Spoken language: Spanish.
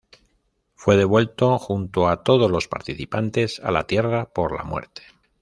Fue devuelto junto a todos los participantes a la tierra por la Muerte.